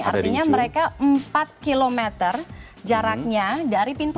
artinya mereka empat kilometer jaraknya dari pintu masuk